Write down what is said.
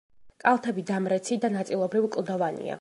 კალთები დამრეცი და ნაწილობრივ კლდოვანია.